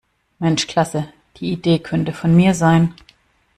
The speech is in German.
Mensch klasse, die Idee könnte von mir sein!